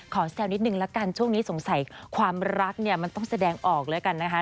แซวนิดนึงละกันช่วงนี้สงสัยความรักเนี่ยมันต้องแสดงออกแล้วกันนะคะ